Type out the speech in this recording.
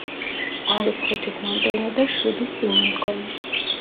არის ხუთის მომდევნო და შვიდის წინამდგომი.